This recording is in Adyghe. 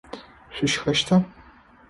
Шъущхэщта?